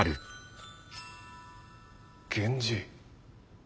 源氏。